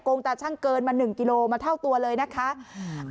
งตาชั่งเกินมาหนึ่งกิโลมาเท่าตัวเลยนะคะอืม